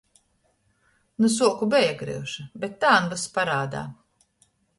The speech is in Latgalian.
Nu suoku beja gryuši, bet tān vyss parādā.